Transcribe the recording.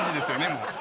もう。